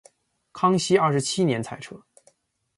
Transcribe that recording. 康熙二十七年裁撤。